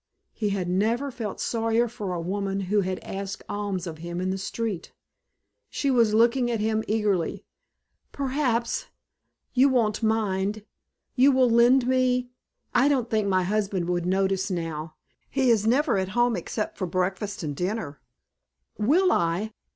He had never felt sorrier for a woman who had asked alms of him in the street. She was looking at him eagerly. "Perhaps you won't mind you will lend me I don't think my husband would notice now he is never at home except for breakfast and dinner " "Will I?